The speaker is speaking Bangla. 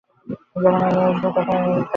আর যখন আমি আসবো, তখন আমার কাছে ওয়ারেন্ট থাকবে।